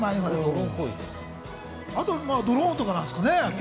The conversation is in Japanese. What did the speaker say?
ドローンとかなんですかね？